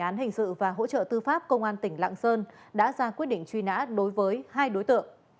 cơ quan hành sự và hỗ trợ tư pháp công an tỉnh lạng sơn đã ra quyết định truy nã đối với hai đối tượng